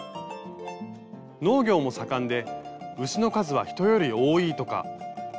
農業も盛んで牛の数は人より多いとか。